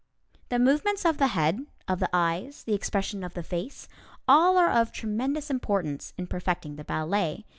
The movements of the head, of the eyes, the expression of the face, all are of tremendous importance in perfecting the ballet.